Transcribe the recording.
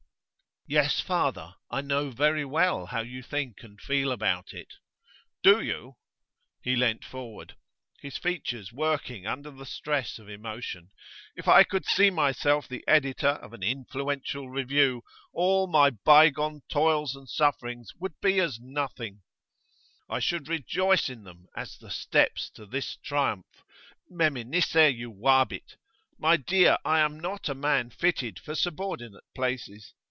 'Yes, father; I know very well how you think and feel about it.' 'Do you?' He leaned forward, his features working under stress of emotion. 'If I could see myself the editor of an influential review, all my bygone toils and sufferings would be as nothing; I should rejoice in them as the steps to this triumph. Meminisse juvabit! My dear, I am not a man fitted for subordinate places.